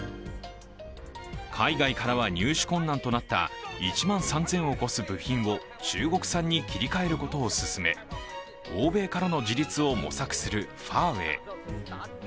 海外からは入手困難となった１万３０００を超す部品を中国産に切り替えることを進め欧米からの自立を模索するファーウェイ。